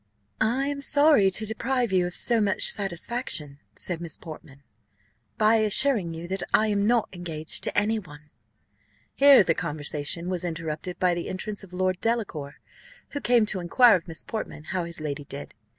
"I am sorry to deprive you of so much satisfaction," said Miss Portman, "by assuring you, that I am not engaged to any one." Here the conversation was interrupted by the entrance of Lord Delacour, who came to inquire of Miss Portman how his lady did.